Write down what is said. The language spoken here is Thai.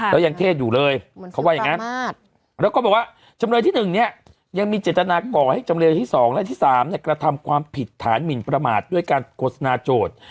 แล้วยังเทศอยู่เลยเขาว่าอย่างนั้นแล้วก็บอกว่าจำเลยที่๑เนี่ยยังมีเจตนาก่อให้จำเลยที่๒และที่๓กระทำความผิดฐานหมินประมาทด้วยการโฆษณาโจทย์